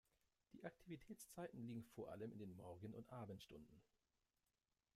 Die Aktivitätszeiten liegen vor allem in den Morgen- und Abendstunden.